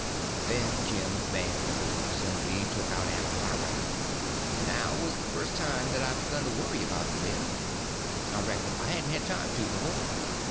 Then Jim manned the oars, and we took out after our raft. Now was the first time that I begun to worry about the men—I reckon I hadn't had time to before.